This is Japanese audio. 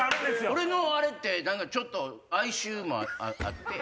俺のあれってちょっと哀愁もあって。